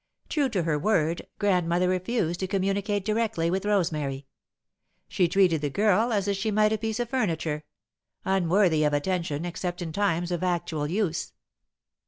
True to her word, Grandmother refused to communicate directly with Rosemary. She treated the girl as she might a piece of furniture unworthy of attention except in times of actual use.